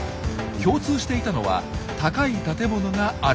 共通していたのは高い建物があること。